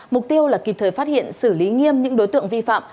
mục tiêu là kịp thời phát hiện xử lý nghiêm những đối tượng vi phạm